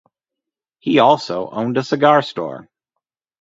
He also owned a cigar store.